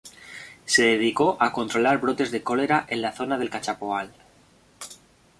Se dedicó a controlar brotes de cólera en la zona del Cachapoal.